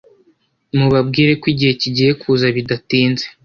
Mubabwire ko igihe kigiye kuza bidatinze